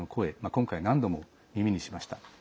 今回、何度も耳にしました。